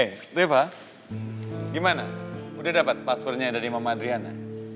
eh reva gimana udah dapet passwordnya dari mama adriana